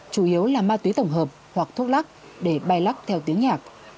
chủ yếu là ma túy tổng hợp hoặc thuốc lắc để bay lắc theo tiếng nhạc